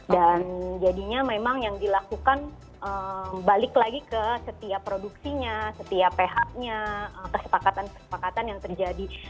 dan jadinya memang yang dilakukan balik lagi ke setiap produksinya setiap ph nya kesepakatan kesepakatan yang terjadi